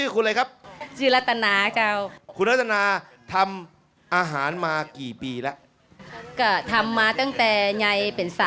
ใครเป็นหัวหน้าทีมคะอ๋อมาเลยค่ะ